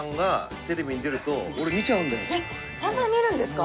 えっホントに見るんですか？